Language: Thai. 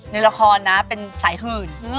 ในละครนะเป็นสายหื่น